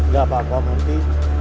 gak apa apa munti